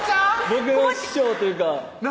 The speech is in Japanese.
僕の師匠というかな